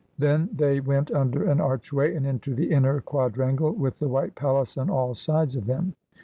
Then they went under an archway, and into the inner quadrangle, with the white palace on all sides of them.